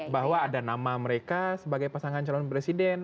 bahwa ada nama mereka sebagai pasangan calon presiden